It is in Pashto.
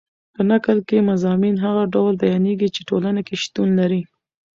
په نکل کښي مضامین هغه ډول بیانېږي، چي ټولنه کښي شتون لري.